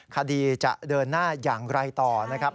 คดีจะเดินหน้าอย่างไรต่อนะครับ